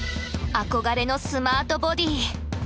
憧れのスマートボディー！